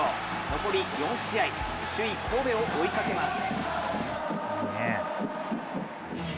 残り４試合、首位・神戸を追いかけます。